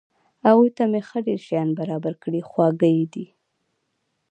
هغوی ته مې ښه ډېر شیان برابر کړي، خواږه یې دي.